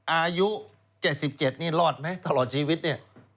อายุ๗๗นี่รอดไหมตลอดชีวิตเนี่ย